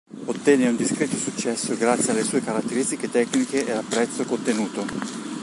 Ottenne un discreto successo grazie alle sue caratteristiche tecniche e al prezzo contenuto.